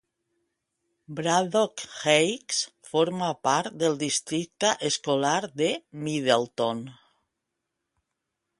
Braddock Heights forma part del districte escolar de Middletown.